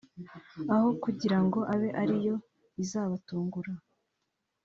aho kugira ngo abe ari yo izabatungura